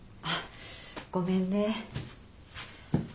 あっごめんね。